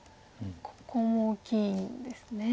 ここも大きいんですね